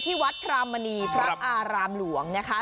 ที่วัดพรามณีพระอารามหลวงนะคะ